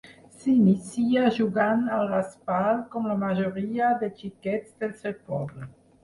S'inicia jugant a raspall com la majoria de xiquets del seu poble.